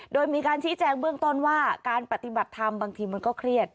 โดยมีการชี้แจงเบื้องต้นว่าการปฏิบัติธรรมบางทีมันก็เครียด